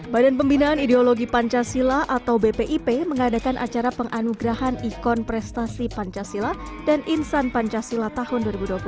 badan pembinaan ideologi pancasila atau bpip mengadakan acara penganugerahan ikon prestasi pancasila dan insan pancasila tahun dua ribu dua puluh satu